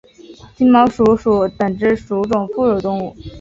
金毛鼹属等之数种哺乳动物。